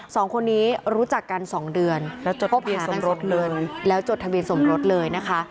สองคนนี้รู้จักกันสองเดือนแล้วจดทะเบียนสมรสเลยนะคะ